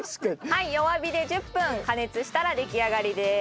はい弱火で１０分加熱したら出来上がりです。